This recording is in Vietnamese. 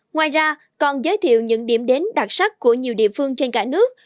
ngoài ra còn giới thiệu những điểm đến đặc sắc của nhiều địa phương trên cả nước